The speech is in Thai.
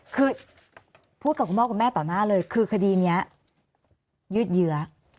คือพูดกับคุณพ่อคุณแม่ต่อหน้าเลยคือคดีนี้ยืดเยื้อ